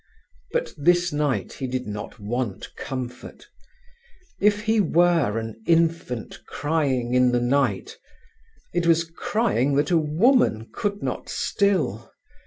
But this night he did not want comfort. If he were "an infant crying in the night", it was crying that a woman could not still.